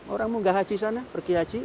orang mau gak haji sana pergi haji